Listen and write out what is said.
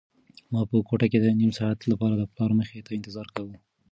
ما په کوټه کې د نيم ساعت لپاره د پلار مخې ته انتظار کاوه.